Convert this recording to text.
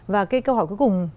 và cái câu hỏi cuối cùng